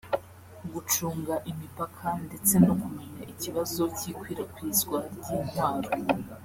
gucunga imipaka ndetse no kumenya ikibazo cy’ikwirakwizwa ry’intwaro